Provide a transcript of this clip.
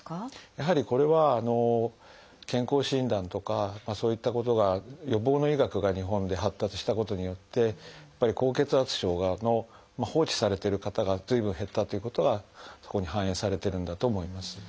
やはりこれは健康診断とかそういったことが予防の医学が日本で発達したことによって高血圧症の放置されてる方が随分減ったということがここに反映されてるんだと思います。